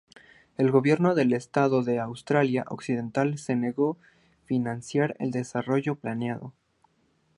El Gobierno del Estado de Australia Occidental se negó a financiar el desarrollo planeado.